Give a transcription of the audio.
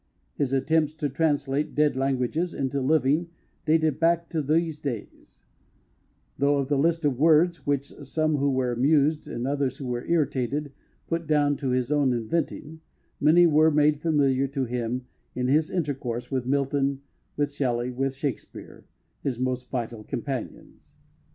His attempts to translate dead language into living dated back to these days; though of the list of words, which some who were amused and others who were irritated put down to his own inventing, many were made familiar to him in his intercourse with Milton, with Shelley, with Shakspere his most vital companions.